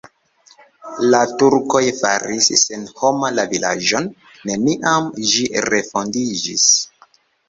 La turkoj faris senhoma la vilaĝon, neniam ĝi refondiĝis.